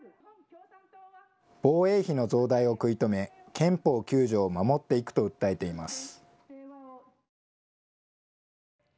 防衛費の増大を食い止め、憲法９条を守っていくと訴えています。